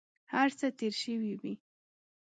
هر څه تېر شوي وي.